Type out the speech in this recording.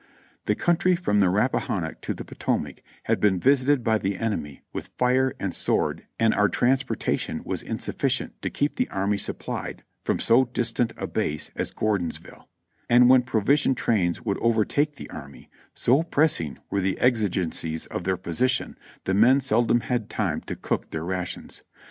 The country from the Rappa hannock to the Potomac had been visited by the enemy with fire and sword and our transportation was insufficient to keep the army supplied from so distant a base as Gordonsville ; and when provision trains would overtake the army, so pressing were the ex igencies of their position, the men seldom had time to cook their rations.